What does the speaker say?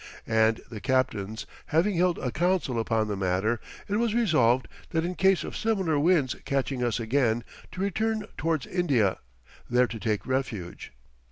And the captains having held a council upon the matter, it was resolved that in case of similar winds catching us again, to return towards India, there to take refuge."